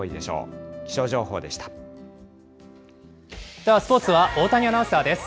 ではスポーツは大谷アナウンサーです。